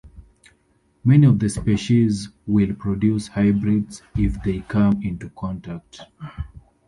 Many of the species will produce hybrids if they come into contact.